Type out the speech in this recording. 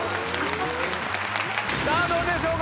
さあどうでしょうか？